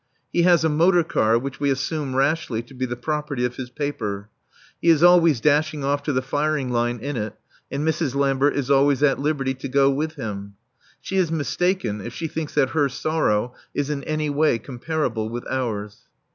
He has a motor car which we assume rashly to be the property of his paper. He is always dashing off to the firing line in it, and Mrs. Lambert is always at liberty to go with him. She is mistaken if she thinks that her sorrow is in any way comparable with ours.